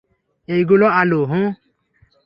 এইগুলা আলু, হুম?